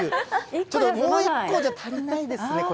ちょっともういっこじゃ足りないですね、これ。